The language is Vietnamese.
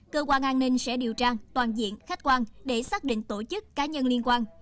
cơ quan an ninh sẽ điều tra toàn diện khách quan để xác định tổ chức cá nhân liên quan